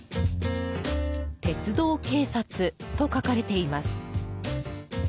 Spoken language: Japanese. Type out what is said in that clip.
鉄道警察と書かれています。